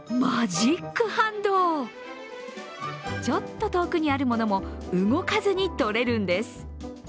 ちょっと遠くにあるものも、動かずに取れるんです。